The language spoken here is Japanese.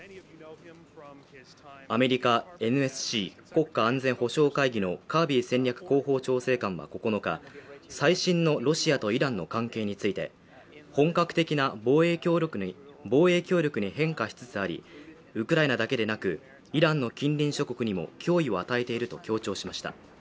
アメリカＮＳＣ＝国家安全保障会議のカービー戦略広報調整官は９日最新のロシアとイランの関係について本格的な防衛協力の防衛協力に変化しつつありウクライナだけでなくイランの近隣諸国にも脅威を与えていると強調しました